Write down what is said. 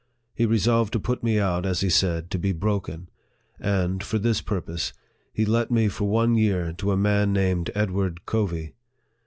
He resolved to put me out, as he said, to be broken ; and, for this purpose, he let me for one year to a man named Ed ward Covey.